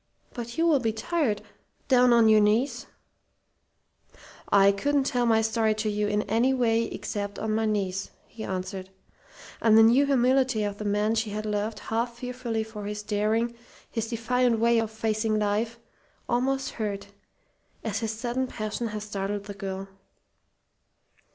"But you will be tired down on your knees " "I couldn't tell my story to you in any way except on my knees," he answered. And the new humility of the man she had loved half fearfully for his daring, his defiant way of facing life, almost hurt, as his sudden passion had startled the girl.